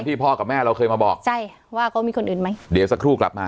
พ่อกับแม่เราเคยมาบอกใช่ว่าเขามีคนอื่นไหมเดี๋ยวสักครู่กลับมา